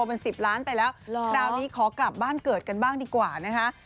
เป็น๑๐ล้านไปแล้วคราวนี้ขอกลับบ้านเกิดกันบ้างดีกว่านะคะ